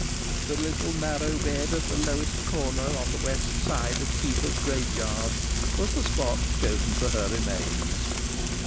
The little narrow bed at the lowest corner on the west side of Seaforde graveyard was the spot chosen for her remains.